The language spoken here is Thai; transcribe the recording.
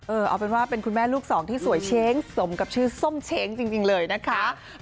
เอาเป็นว่าเป็นคุณแม่ลูกสองที่สวยเช้งสมกับชื่อส้มเช้งจริงเลยนะคะ